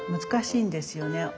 難しいんですよね。